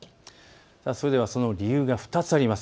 それではその理由が２つあります。